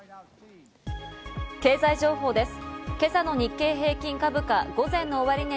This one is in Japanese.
経済情報です。